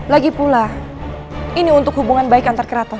kesempatan berhak diberikan bagi yang sudah berbuat salah